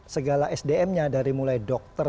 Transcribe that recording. segala sdm nya dari mulai dokter